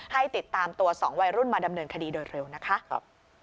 ให้ติดตามตัว๒วัยรุ่นมาดำเนินคดีโดยเร็วนะคะ